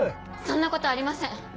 そんなことありません。